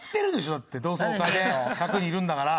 だって同窓会で１００人いるんだから。